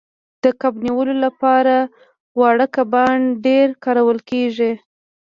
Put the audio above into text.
د کب نیولو لپاره واړه کبان ډیر کارول کیږي